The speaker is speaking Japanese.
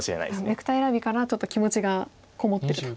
ネクタイ選びからちょっと気持ちがこもってると。